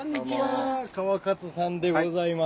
川勝さんでございます。